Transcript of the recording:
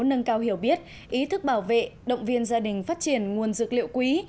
nâng cao hiểu biết ý thức bảo vệ động viên gia đình phát triển nguồn dược liệu quý